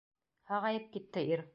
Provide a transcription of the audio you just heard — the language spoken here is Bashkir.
Һағайып китте ир.